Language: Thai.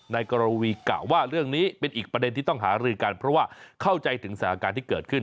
นายกรวีกะว่าเรื่องนี้เป็นอีกประเด็นที่ต้องหารือกันเพราะว่าเข้าใจถึงสถานการณ์ที่เกิดขึ้น